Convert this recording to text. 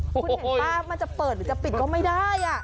คุณเห็นป่ะมันจะเปิดหรือจะปิดก็ไม่ได้